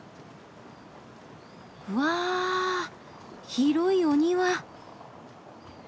うわぁ広いお庭！